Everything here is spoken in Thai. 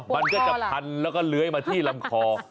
มันก็จะพันแล้วก็เลื้อยมาที่ลำคอ